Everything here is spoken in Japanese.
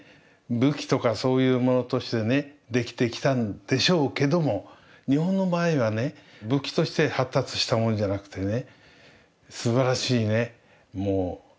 武器とかそういうものとしてねできてきたんでしょうけども日本の場合はね武器として発達したものじゃなくてね